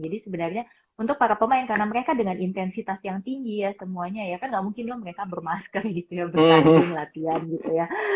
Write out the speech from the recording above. jadi sebenarnya untuk para pemain karena mereka dengan intensitas yang tinggi ya semuanya ya kan nggak mungkin loh mereka bermasker gitu ya berbanding latihan gitu ya